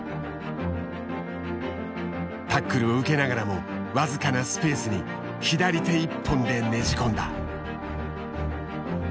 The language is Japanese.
タックルを受けながらも僅かなスペースに左手一本でねじ込んだ。